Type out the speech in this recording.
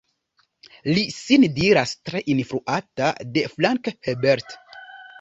Li sin diras tre influata de Frank Herbert.